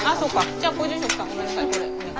じゃあご住職さんごめんなさい